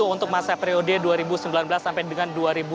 untuk masa periode dua ribu sembilan belas sampai dengan dua ribu dua puluh